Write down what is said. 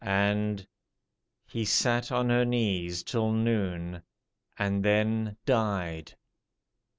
And ... he sat on her knees till noon, and then died.